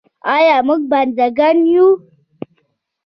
آیا موږ بنده ګان یو؟